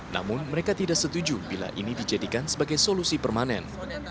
namun mereka tidak setuju bila ini dijadikan sebagai solusi permanen